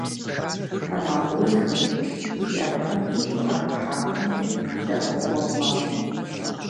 Тэмакъыузхэмкӏэ, зи ӏэпкълъэпкъым щӏыӏэ хыхьахэмкӏи дэӏэпыкъуэгъу мэхъу.